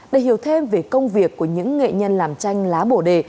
để hiểu thêm về công việc của những nghệ nhân làm tranh lá bồ đề